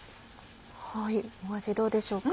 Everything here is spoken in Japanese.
味どうでしょうか？